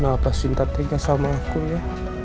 kenapa sinta tinggal sama aku ya